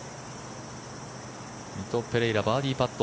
ミト・ペレイラバーディーパット。